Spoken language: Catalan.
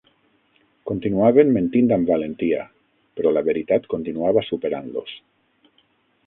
Continuaven mentint amb valentia, però la veritat continuava superant-los.